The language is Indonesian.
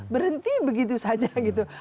berhenti begitu saja gitu